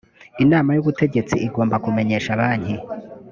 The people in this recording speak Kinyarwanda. inama y ubutegetsi igomba kumenyesha banki